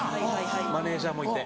マネジャーもいて。